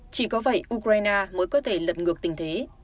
chỉ có vậy ukraine mới có thể lật ngược tình thế